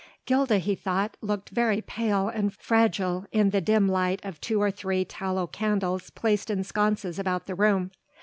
Gilda, he thought, looked very pale and fragile in the dim light of two or three tallow candles placed in sconces about the room.